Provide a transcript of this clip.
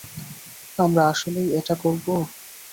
আমরা আসলেই এটা করব?